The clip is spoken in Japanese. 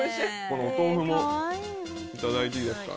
このお豆腐も頂いていいですか？